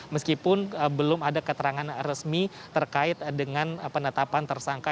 meskipun belum ada keterangan resmi terkait dengan penetapan tersangka